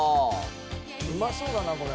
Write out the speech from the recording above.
うまそうだなこれ。